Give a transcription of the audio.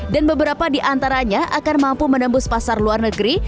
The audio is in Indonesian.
dan beberapa di antaranya akan mampu menembus pasar luar negeri